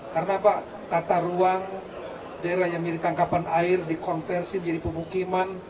karena apa tata ruang daerah yang menjadi tangkapan air dikonversi menjadi pemukiman